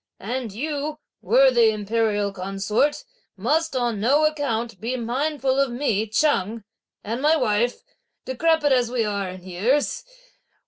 And you, worthy imperial consort, must, on no account, be mindful of me Cheng and my wife, decrepid as we are in years.